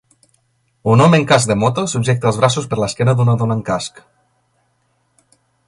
Un home amb casc de moto subjecta els braços per l'esquena d'una dona amb casc.